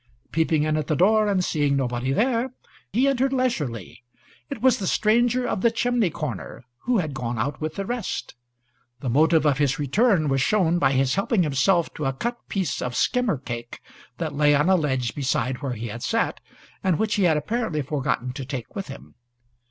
Peeping in at the door, and seeing nobody there, he entered leisurely. It was the stranger of the chimney corner, who had gone out with the rest. The motive of his return was shown by his helping himself to a cut piece of skimmer cake that lay on a ledge beside where he had sat, and which he had apparently forgotten to take with him.